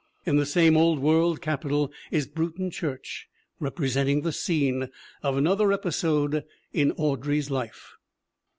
In the same Old World capital is Bruton Church, represent ing the scene of another episode in Audrey's life.